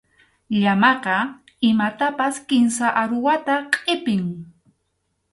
Llamaqa imatapas kimsa aruwata qʼipin.